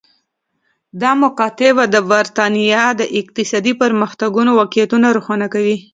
دا مکاتبه د برېټانیا د اقتصادي پرمختګونو واقعیتونه روښانه کوي